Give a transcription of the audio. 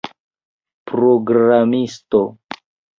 programisto